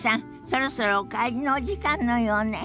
そろそろお帰りのお時間のようね。